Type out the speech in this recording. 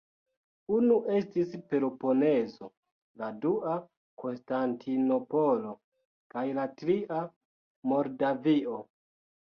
Unu estis Peloponezo, la dua Konstantinopolo kaj la tria Moldavio.